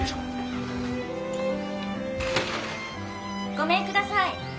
・ごめんください。